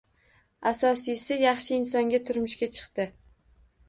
Asosiysi, yaxshi insonga turmushga chiqdi